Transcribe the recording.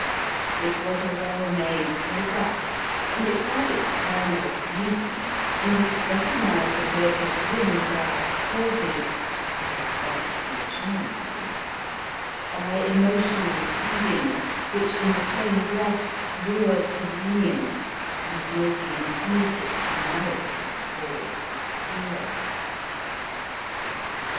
It was a well made program, and it had its kernel of reason in his recognized ability to win bad causes as that of the insurance solicitor by emotional pleadings which in the same breath lured to lenience and made the intrinsic demerits of the cause obscure.